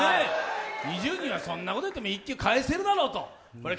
２０人はそんなこと言っても１球返せるだろうと。